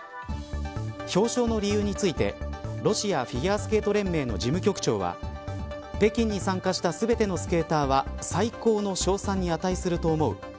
表彰の理由についてロシアフィギュアスケート連盟の事務局長は北京に参加したすべてのスケーターは最高の称賛に値すると思う。